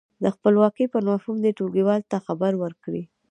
د خپلواکۍ پر مفهوم دې ټولګیوالو ته خبرې وکړي.